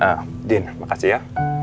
ah din makasih ya